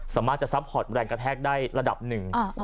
สามารถจะซัพพอร์ตแรงกระแทกได้ระดับหนึ่ง